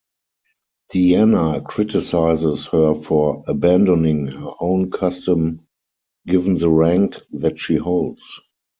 Deanna criticizes her for abandoning her own custom given the rank that she holds.